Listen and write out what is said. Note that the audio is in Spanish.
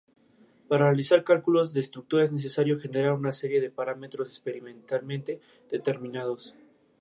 Para realizar cálculos de estructura es necesario generar una serie de parámetros experimentalmente determinados.